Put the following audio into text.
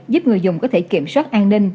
giúp người dùng có thể kiểm soát an ninh